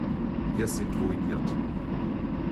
Wir sind ruiniert.